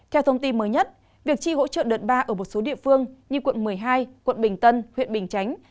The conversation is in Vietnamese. theo thông tin mới nhất việc chi hỗ trợ đợt ba ở một số địa phương như quận một mươi hai quận bình tân huyện bình chánh